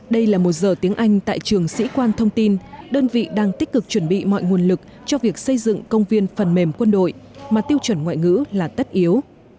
đây là một giờ tiếng anh tại trường sĩ quan thông tin đơn vị đang tích cực chuẩn bị mọi nguồn lực cho việc xây dựng công viên phần mềm quân đội mà tiêu chuẩn ngoại ngữ là tất yếu